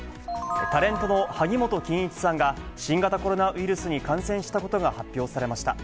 タレントの萩本欽一さんが、新型コロナウイルスに感染したことが発表されました。